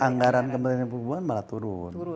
anggaran kepentingan perubahan malah turun